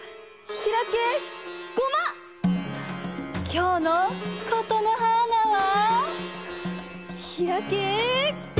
きょうのことのはーなは。